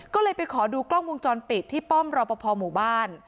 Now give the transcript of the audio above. ก็เลยไปขอดูกล้องวงจรปิดที่ป้อมรอปภหมู่บ้าน